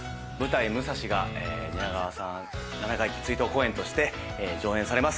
『ムサシ』が、蜷川さん七回忌追悼公演として上演されます。